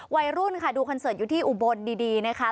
วัยรุ่นค่ะดูคอนเสิร์ตอยู่ที่อุบลดีนะคะ